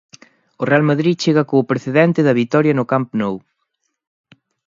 O Real Madrid chega co precedente da vitoria no Camp Nou.